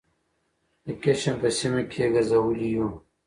د کشم په سیمه کې یې ګرځولي یوو